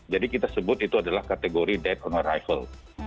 jadi kita sebut itu adalah kategori death on arrival